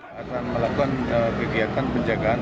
kita akan melakukan kegiatan penjagaan